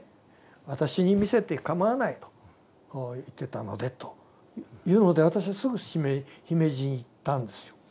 私に見せてかまわないと言ってたのでと言うので私はすぐ姫路に行ったんですよ。